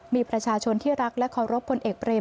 มีประชาชนที่รักและเคารพพลเอกเบรม